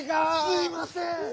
すいません！